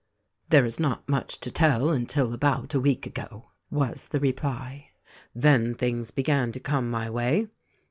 "There is not much to tell until about a week ago," was the reply. "Then things began to come my way.